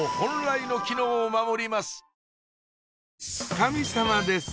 神様です